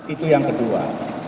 itu yang kedua